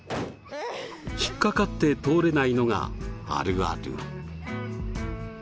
引っかかって通れないのがあるある。